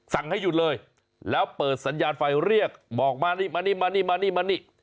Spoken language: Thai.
ให้หยุดเลยแล้วเปิดสัญญาณไฟเรียกบอกมานี่มานี่มานี่มานี่มานี่